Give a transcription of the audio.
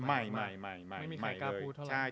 ไม่มีใครกล้าพูดเท่าไหร่